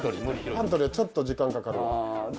パントリーはちょっと時間かかるわ。